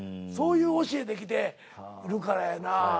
そういう教えできてるからやな